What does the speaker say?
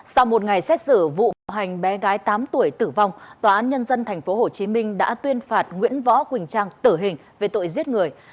sau một ngày xét xử vụ bạo hành bé gái tám tuổi tử vong tòa án nhân dân tp hcm đã tuyên phạt nguyễn võ quỳnh trang tử hình về tội giết người